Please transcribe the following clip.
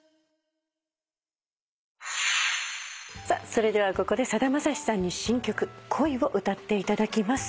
それではここでさだまさしさんに新曲『孤悲』を歌っていただきます。